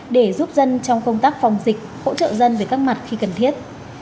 để giúp dân trong công tác phòng dịch hỗ trợ dân về các mặt khi cần thiết